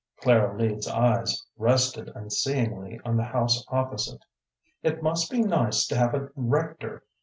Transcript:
Clara Leeds's eyes rested unseeingly on the house opposite. "It must be nice to have a rector